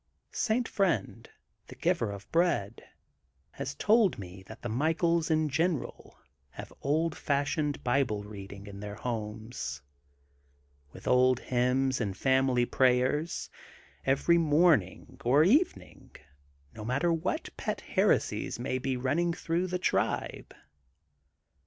i St. Friend, the Giver of Bread, has told me that the Michaels in general have old fash ioned Bible reading in their homes, with old hymns and family prayers, every morning or evening no matter what pet heresies may be running through the tribe.